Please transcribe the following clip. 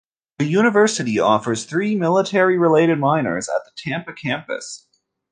The university offers three military-related minors at the Tampa campus.